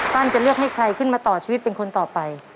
จะเลือกให้ใครขึ้นมาต่อชีวิตเป็นคนต่อไป